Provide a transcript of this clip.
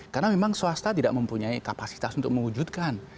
karena memang swasta tidak mempunyai kapasitas untuk mewujudkan